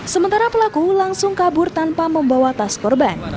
sementara pelaku langsung kabur tanpa membawa tas korban